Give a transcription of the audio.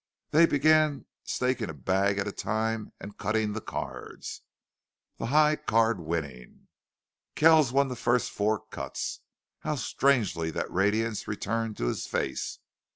They began staking a bag at a time and cutting the cards, the higher card winning. Kells won the first four cuts. How strangely that radiance returned to his face!